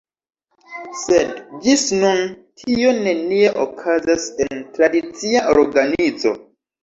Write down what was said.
Sed ĝis nun tio nenie okazas en tradicia organizo.